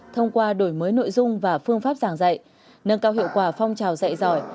thông qua đổi mới nội dung và phương pháp giảng dạy nâng cao hiệu quả phong trào dạy giỏi